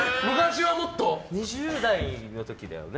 ２０代の時だよね。